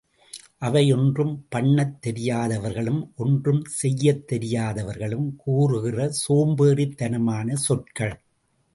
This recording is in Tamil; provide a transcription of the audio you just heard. அவை ஒன்றும் பண்ணத் தெரியாதவர்களும், ஒன்றும் செய்யத் தெரியாதவர்களும் கூறுகிற சோம்பேறித்தனமான சொற்கள்.